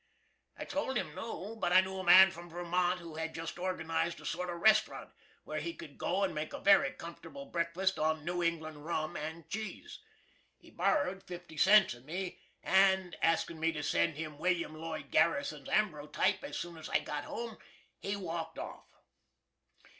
I told him no, but I knew a man from Vermont who had just organized a sort of restaurant, where he could go and make a very comfortable breakfast on New England rum and cheese. He borrowed fifty cents of me, and askin' me to send him Wm. Lloyd Garrison's ambrotype as soon as I got home, he walked off.